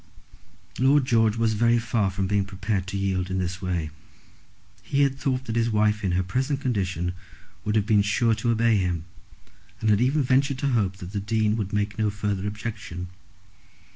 Lord George was very far from being prepared to yield in this way. He had thought that his wife in her present condition would have been sure to obey him, and had even ventured to hope that the Dean would make no further objection.